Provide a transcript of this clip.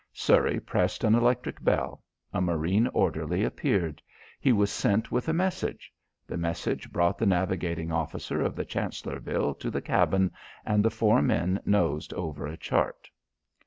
Surrey pressed an electric bell; a marine orderly appeared; he was sent with a message. The message brought the navigating officer of the Chancellorville to the cabin and the four men nosed over a chart.